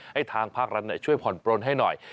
ให้ทางภาครัฐช่วยผ่อนปลนให้หน่อย